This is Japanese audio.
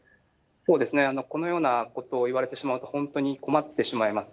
このようなことを言われてしまうと、本当に困ってしまいます。